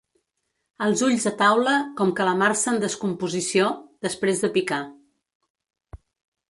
Els ulls a taula com calamarsa en descomposició, després de picar.